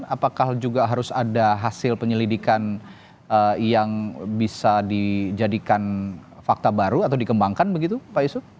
apakah juga harus ada hasil penyelidikan yang bisa dijadikan fakta baru atau dikembangkan begitu pak yusuf